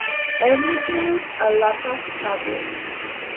Everything's a lot of trouble.